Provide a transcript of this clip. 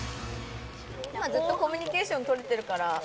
今、ずっとコミュニケーション取れてるから。